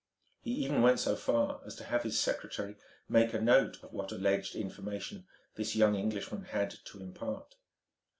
He even went so far as to have his secretary make a note of what alleged information this young Englishman had to impart.